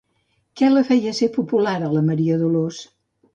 Què la feia ser popular, a la Maria Dolors?